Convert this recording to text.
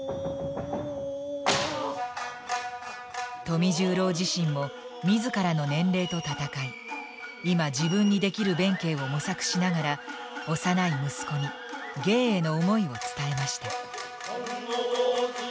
富十郎自身も自らの年齢と闘い今自分にできる弁慶を模索しながら幼い息子に芸への想いを伝えました。